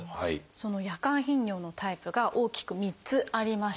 その夜間頻尿のタイプが大きく３つありまして